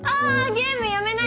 ゲームやめないで！